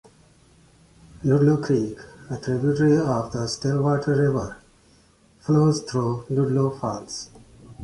Ludlow Creek, a tributary of the Stillwater River, flows through Ludlow Falls.